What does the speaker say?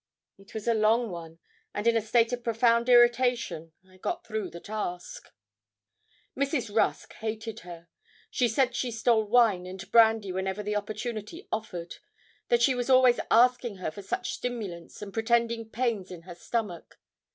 It was a long one, and in a state of profound irritation I got through the task. Mrs. Rusk hated her. She said she stole wine and brandy whenever the opportunity offered that she was always asking her for such stimulants and pretending pains in her stomach.